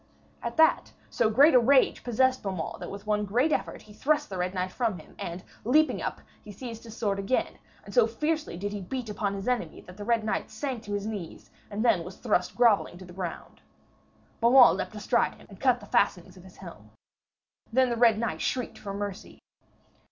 At that, so great a rage possessed Beaumains, that with one great effort he thrust the Red Knight from him, and, leaping up, he seized his sword again, and so fiercely did he beat upon his enemy that the Red Knight sank to his knees, and then was thrust grovelling to the ground. Beaumains leaped astride him, and cut the fastenings of his helm. Then the Red Knight shrieked for mercy.